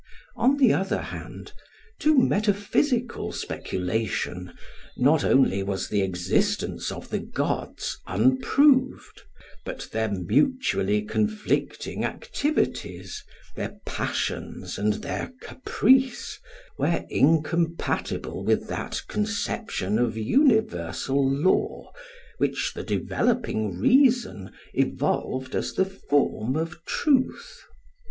On the other hand, to metaphysical speculation, not only was the existence of the gods unproved, but their mutually conflicting activities, their passions and their caprice, were incompatible with that conception of universal law which the developing reason evolved as the form of truth.